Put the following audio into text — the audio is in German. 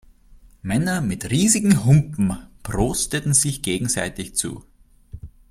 Männer mit riesigen Humpen prosteten sich gegenseitig zu.